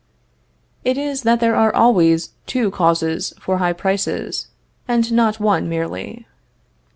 It is that there are two causes for high prices, and not one merely.